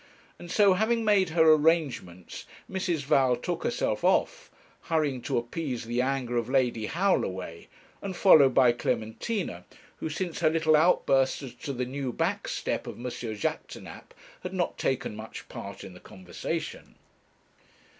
And so, having made her arrangements, Mrs. Val took herself off, hurrying to appease the anger of Lady Howlaway, and followed by Clementina, who since her little outburst as to the new back step of M. Jaquêtanápes had not taken much part in the conversation.